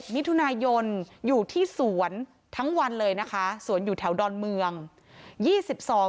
๒๑มิยอยู่ที่สวนทั้งวันเลยนะคะสวนอยู่แถวดอนเมือง